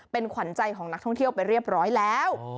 เป็นขวัญใจของนักท่องเที่ยวไปเรียบร้อยแล้ว